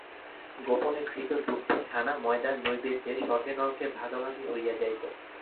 গোপনে ঘৃত দুগ্ধ ছানা ময়দার নৈবেদ্য স্বর্গে নরকে ভাগাভাগি হইয়া যাইত।